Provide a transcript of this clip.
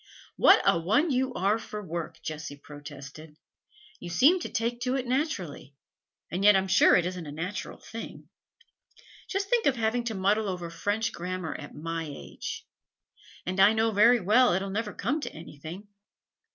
'What a one you are for work!' Jessie protested. 'You seem to take to it naturally, and yet I'm sure it isn't a natural thing. Just think of having to muddle over French grammar at my age! And I know very well it 'll never come to anything.